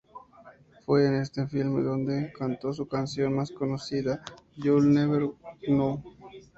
Fue en este filme donde cantó su canción más conocida, "You'll Never Know".